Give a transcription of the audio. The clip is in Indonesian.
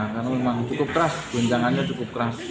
karena memang cukup keras guncangannya cukup keras